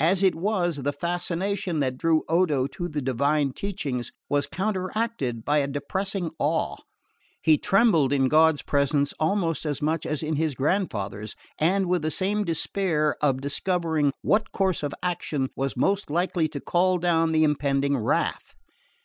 As it was, the fascination that drew Odo to the divine teachings was counteracted by a depressing awe: he trembled in God's presence almost as much as in his grandfather's, and with the same despair of discovering what course of action was most likely to call down the impending wrath.